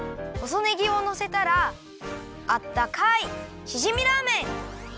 ほそねぎをのせたらあったかいしじみラーメン！